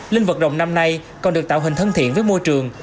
linh vật rồng năm nay còn được tạo hình thân thiện với môi trường